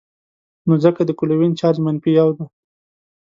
نو ځکه د کلوین چارج منفي یو دی.